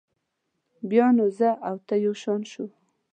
بیا به نو زه او ته یو شان شو.